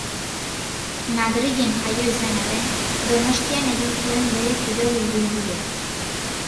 Madrilen jaioa izan arren, Donostian egin zuen bere kirol ibilbidea.